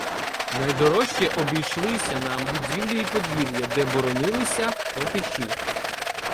Найдорожче обійшлися нам будівлі й подвір'я, де боронилися латиші.